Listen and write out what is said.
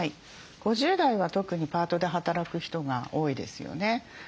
５０代は特にパートで働く人が多いですよね。